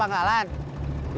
uang kalau theaters